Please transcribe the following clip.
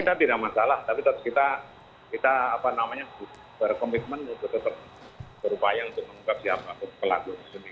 kita tidak masalah tapi kita harus kita kita apa namanya berkomitmen untuk tetap berupaya untuk menunggu siapa pelaku